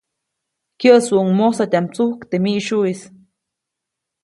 Kyäʼsuʼuŋ mojsatyaʼm tsujk teʼ miʼsyuʼis.